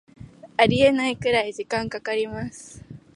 ありえないくらい時間かかります